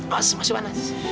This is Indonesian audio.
mas masih panas